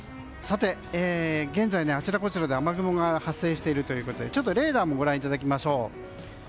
現在、あちらこちらで雨雲が発生しているということでレーダーもご覧いただきましょう。